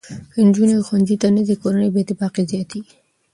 که نجونې ښوونځي ته نه ځي، کورني بې اتفاقي زیاتېږي.